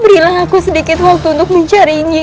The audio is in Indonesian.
berilah aku sedikit waktu untuk mencari nyiro